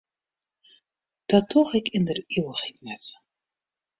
Dat doch ik yn der ivichheid net.